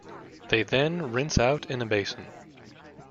They then rinse out in a basin.